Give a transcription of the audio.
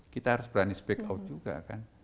kita harus berani speak out juga kan